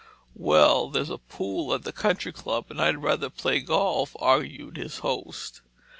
"Well, there's a pool at the Country Club, and I'd rather play golf," argued his host.